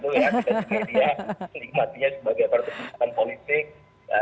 kita juga dia menikmatinya sebagai pertunjukan politik gitu ya